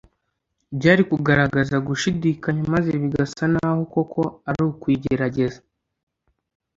. Byari kugaragaza gushidikanya, maze bigasa n’aho koko, ari ukuyigerageza